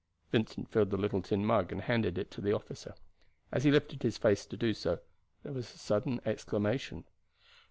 Vincent filled the little tin mug, and handed it to the officer. As he lifted his face to do so there was a sudden exclamation.